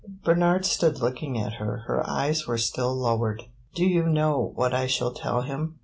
Bernard stood looking at her; her eyes were still lowered. "Do you know what I shall tell him?